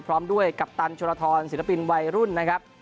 พร้อมด้วยกัปตันโชลทรศิลปินวัยรุ่นนะครับ